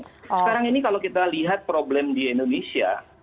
sekarang ini kalau kita lihat problem di indonesia